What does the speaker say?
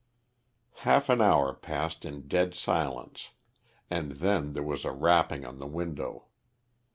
Half an hour passed in dead silence, and then there was a rapping on the window.